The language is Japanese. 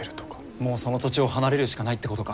もうその土地を離れるしかないってことか。